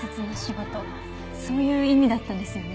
そういう意味だったんですよね。